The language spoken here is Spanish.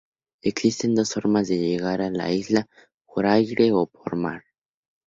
Existen dos formas de llegar a la Isla, por aire o por mar.